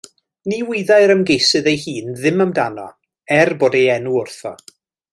Ni wyddai'r ym¬geisydd ei hun ddim amdano, er bod ei enw wrtho.